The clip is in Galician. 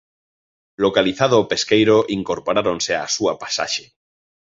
Localizado o pesqueiro incorporáronse á súa pasaxe.